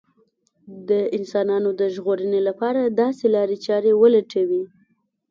د انسانانو د ژغورنې لپاره داسې لارې چارې ولټوي